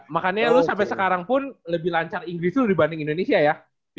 makanya lo sampai sekarang pun lebih lancar inggris lu dibanding indonesia ya